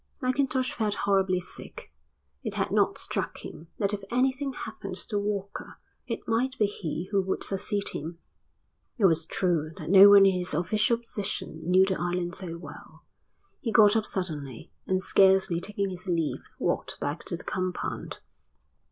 Mackintosh felt horribly sick. It had not struck him that if anything happened to Walker it might be he who would succeed him. It was true that no one in his official position knew the island so well. He got up suddenly and scarcely taking his leave walked back to the compound.